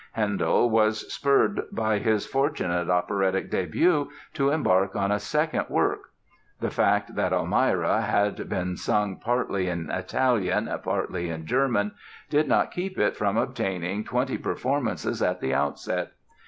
Handel was spurred by his fortunate operatic debut to embark on a second work. The fact that "Almira" had been sung partly in Italian, partly in German, did not keep it from obtaining twenty performances at the outset.